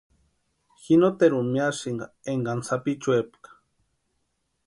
Ji noteruni miasïnka énkani sapichuepka.